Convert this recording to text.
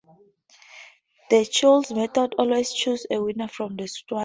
The Schulze method always chooses a winner from the Schwartz set.